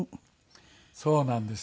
そうなんです。